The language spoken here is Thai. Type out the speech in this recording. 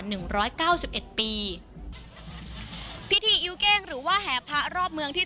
หนึ่งร้อยเก้าสิบเอ็ดปีพิธีอิวเก้งหรือว่าแห่พระรอบเมืองที่